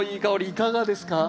いかがですか？